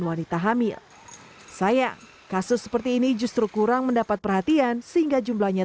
wanita hamil sayang kasus seperti ini justru kurang mendapat perhatian sehingga jumlahnya